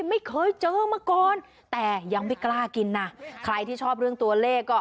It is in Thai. ไม่เคยเจอมาก่อนแต่ยังไม่กล้ากินนะใครที่ชอบเรื่องตัวเลขก็